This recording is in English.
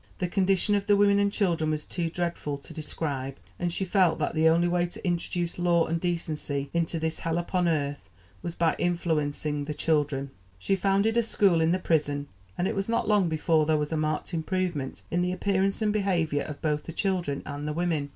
The condition of the women and children was too dreadful to describe, and she felt that the only way to introduce law and decency into this 'hell upon earth' was by influencing the children. She founded a school in the prison, and it was not long before there was a marked improvement in the appearance and behaviour of both the children and the women.